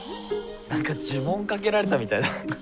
何か呪文かけられたみたいだ。